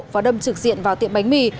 và đâm trực diện vào tiệm bánh mì